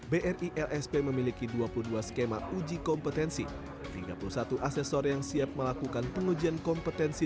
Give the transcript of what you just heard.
bri lsp memiliki dua puluh dua skema uji kompetensi tiga puluh satu asesor yang siap melakukan pengujian kompetensi